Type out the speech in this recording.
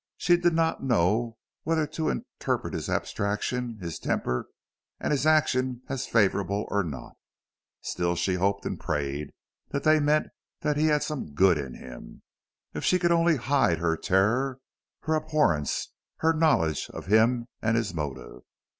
She did not know whether to interpret his abstraction, his temper, and his action as favorable or not. Still she hoped and prayed they meant that he had some good in him. If she could only hide her terror, her abhorrence, her knowledge of him and his motive!